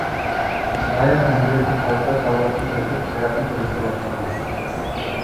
شائىر ئەمدىلىكتە كاۋكاز تاغلىرىدىن ئۆتۈپ شەرقنى كۆرۈشكە باشلىغان.